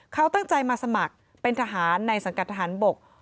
เขาตั้งใจมาสมัครเป็นทหารในสังกัดทหารบก